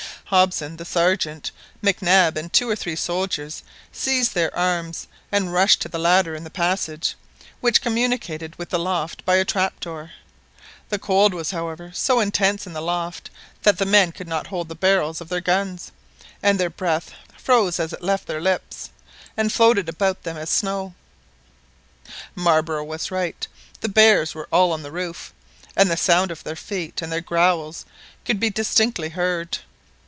Hobson, the Sergeant, Mac Nab, and two or three soldiers seized their arms, and rushed to the ladder in the passage, which. communicated with the loft by a trap door. The cold was, however, so intense in the loft that the men could not hold the barrels of their guns, and their breath froze as it left their lips and floated about them as snow. Marbre was right; the bears were all on the roof, and the sound of their feet and their growls could be distinctly heard.